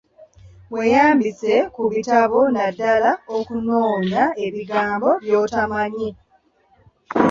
Weeyambise ku bitabo naddala okunoonya ebigambo by'otamanyi.